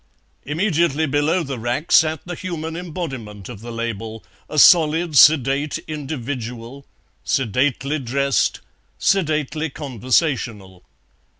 Immediately below the rack sat the human embodiment of the label, a solid, sedate individual, sedately dressed, sedately conversational.